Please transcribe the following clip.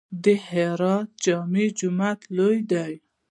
د هرات جامع جومات لوی دی